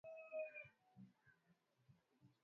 Masomo yatakusaidia kwa siku za usoni